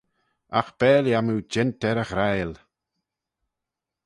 Agh bare lhiam oo jeant er y ghryle.